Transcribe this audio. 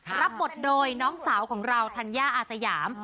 รับบทโดยน้องสาวของเราธัญญาอาสยาม